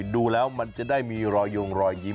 ดูแล้วมันจะได้มีรอยยงรอยยิ้ม